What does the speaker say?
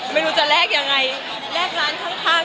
ไม่รู้จะแลกยังไงแลกร้านข้าง